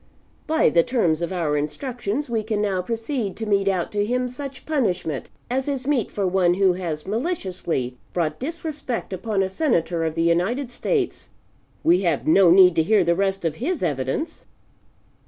By the terms of our instructions we can now proceed to mete out to him such punishment as is meet for one who has maliciously brought disrespect upon a Senator of the United States. We have no need to hear the rest of his evidence."